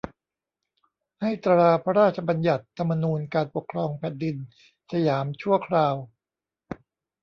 ให้ตราพระราชบัญญัติธรรมนูญการปกครองแผ่นดินสยามชั่วคราว